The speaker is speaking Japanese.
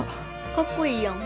かっこいいやん。